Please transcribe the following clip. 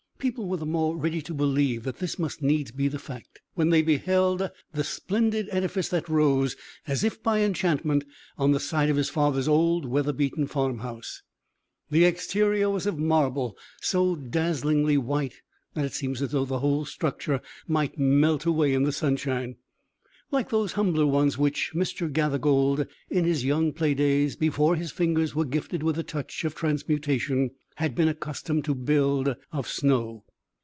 People were the more ready to believe that this must needs be the fact, when they beheld the splendid edifice that rose, as if by enchantment, on the site of his father's old weather beaten farmhouse. The exterior was of marble, so dazzlingly white that it seemed as though the whole structure might melt away in the sunshine, like those humbler ones which Mr. Gathergold, in his young play days, before his fingers were gifted with the touch of transmutation, had been accustomed to build of snow.